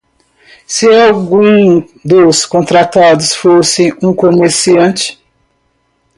Se algum dos contratados fosse um comerciante.